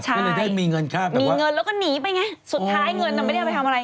ใช่มีเงินแล้วก็หนีไปไงสุดท้ายเงินเราไม่ได้เอาไปทำอะไร